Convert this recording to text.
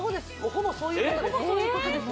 ほぼそういうことです